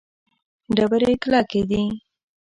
ډبرې کلکې دي.